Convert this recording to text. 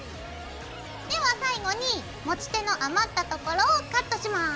では最後に持ち手の余ったところをカットします。